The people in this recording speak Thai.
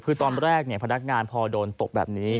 คือตอนแรกพนักงานพอโดนตบแบบนี้